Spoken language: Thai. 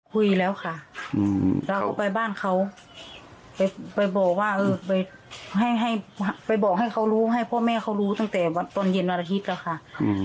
คุยแล้วค่ะเราก็ไปบ้านเขาไปบอกว่าเออไปให้ไปบอกให้เขารู้ให้พ่อแม่เขารู้ตั้งแต่ตอนเย็นวันอาทิตย์แล้วค่ะ